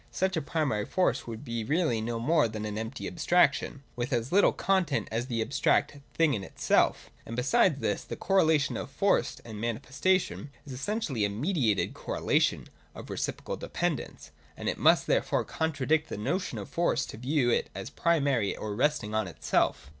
Such a primary force would be really no more than an empty abstraction, with as little content as the abstract thing in itself And besides this, the correlation of force and manifestation is essentially a mediated correlation (of reciprocal dependence), and it must therefore contradict the notion of force to view it as primary or resting on itself.